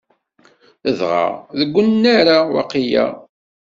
Dɣa, deg unnar-a, waqila.